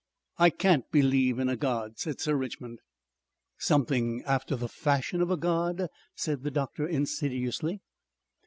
"I can't believe in a God," said Sir Richmond. "Something after the fashion of a God," said the doctor insidiously.